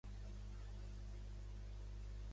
Va ser creat a partir de l'antiga província de l'Orleanès.